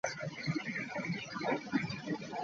Ono yeekokkodde enkwe n'emivuyo ebifumbekedde mu kibiina.